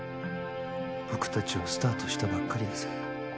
僕たちはスタートしたばっかりだぜ